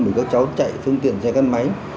để các cháu chạy phương tiện xe căn máy